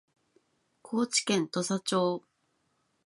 高知県土佐町